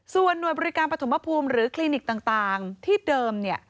ส่วนหน่วยบริการปฐมภูมิหรือคลินิกต่างที่เดิม